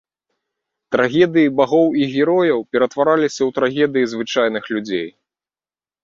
Трагедыі багоў і герояў ператвараліся ў трагедыі звычайных людзей.